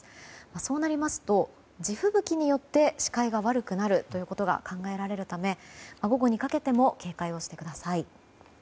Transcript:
そうなりますと、地吹雪によって視界が悪くなるということが考えられるため午後にかけても警戒をしてください。